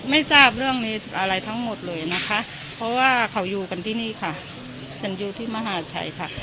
ไม่ทราบเรื่องนี้อะไรทั้งหมดเลยนะคะเพราะว่าเขาอยู่กันที่นี่ค่ะฉันอยู่ที่มหาชัยค่ะ